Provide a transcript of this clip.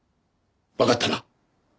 わかったな？